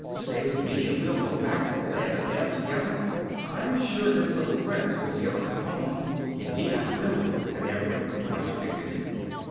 Stay with me and we'll go back to the Land of Ev together. I'm sure this little Prince will give us a home." "Indeed I will," said Evring, with much dignity.